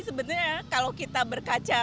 sebenarnya kalau kita berkaca